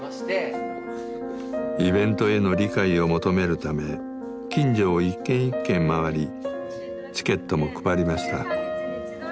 イベントへの理解を求めるため近所を一軒一軒回りチケットも配りました。